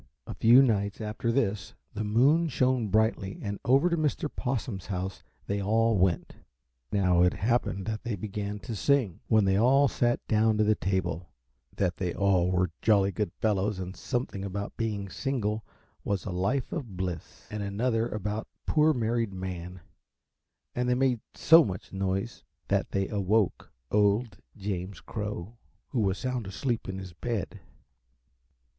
A few nights after this the moon shone brightly and over to Mr. Possum's house they all went. Now it happened that they began to sing, when they all sat down to the table, that they all were jolly good fellows and something about being single was a life of bliss, and another about poor married man, and they made so much noise that they awoke old James Crow, who was sound asleep in his bed.